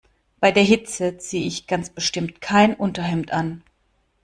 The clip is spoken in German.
Bei der Hitze ziehe ich ganz bestimmt kein Unterhemd an.